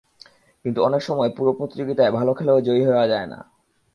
কিন্তু অনেক সময় পুরো প্রতিযোগিতায় ভালো খেলেও জয়ী হওয়া যায় না।